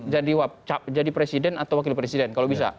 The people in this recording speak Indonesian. presiden atau wakil presiden kalau bisa